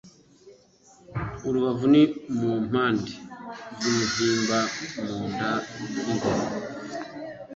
urubavu ni mu mpande z'umuhimba Mu nda y'ingoma